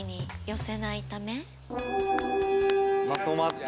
まとまった。